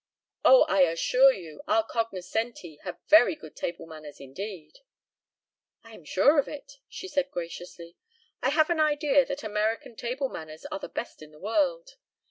"Oh, I assure you, our cognoscenti have very good table manners indeed!" "I am sure of it," she said graciously. "I have an idea that American table manners are the best in the world.